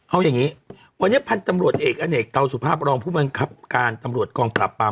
เอาอย่างนี้วันนี้พันธุ์ตำรวจเอกอเนกเตาสุภาพรองผู้บังคับการตำรวจกองปราบปราม